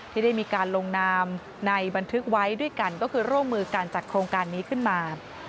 ที่ได้มีการลงนามในบันทึกไว้ด้วยกันก็คือร่วมมือการจัดโครงการนี้ขึ้นมา